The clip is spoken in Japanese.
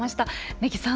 根木さん